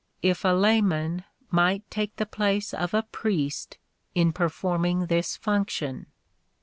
if a layman might take the place of a priest in performing this function.